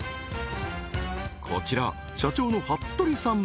こちら社長の服部さん